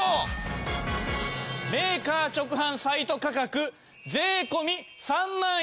メーカー直販サイト価格税込３万１６８０円。